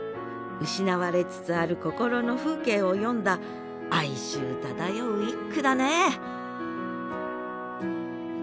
失われつつある心の風景を詠んだ哀愁漂う一句だね